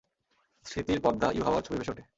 স্মৃতির পর্দা ইউহাওয়ার ছবি ভেসে ওঠে।